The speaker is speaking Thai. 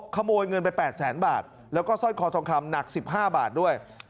ขโมยเงินไป๘แสนบาทแล้วก็สร้อยคอทองคำหนัก๑๕บาทด้วย